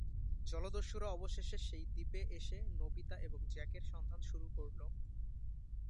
জলদস্যুরা অবশেষে সেই দ্বীপে এসে নোবিতা এবং জ্যাকের সন্ধান শুরু করে।